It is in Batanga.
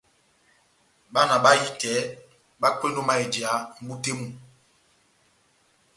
Bana bahitɛ bakwendi ó mayɛjiya mʼbú tɛ́ mú.